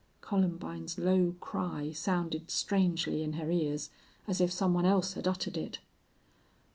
Columbine's low cry sounded strangely in her ears, as if some one else had uttered it.